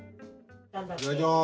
いただきます。